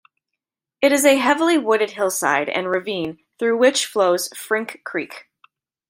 It is a heavily wooded hillside and ravine through which flows Frink Creek.